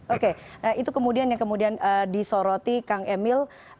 oke itu kemudian yang kemudian disoroti kang emil